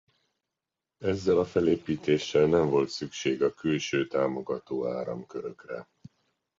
Ezzel a felépítéssel nem volt szükség a külső támogató áramkörökre.